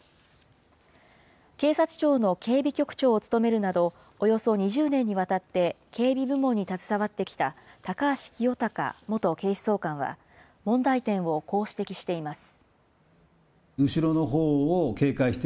警察庁の警備局長を務めるなど、およそ２０年にわたって警備部門に携わってきた高橋清孝元警視総監は、問題点をこう指摘しています。